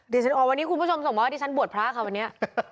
เดี๋ยววันนี้คุณผู้ชมส่งมาว่าดิฉันบวชพระค่ะวันนี้